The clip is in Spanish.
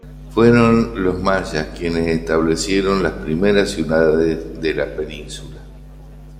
Fueron los mayas quienes establecieron las primeras ciudades en la península.